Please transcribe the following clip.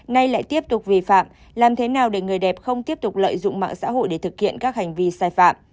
nay lại tiếp tục vi phạm làm thế nào để người đẹp không tiếp tục lợi dụng mạng xã hội để thực hiện các hành vi sai phạm